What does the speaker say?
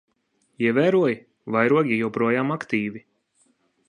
Ievēroji? Vairogi joprojām aktīvi.